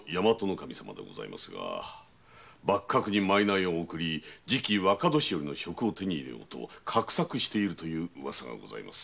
守様でございますが幕閣に賂を贈り次期若年寄の職を手に入れようと画策しているというウワサがございます。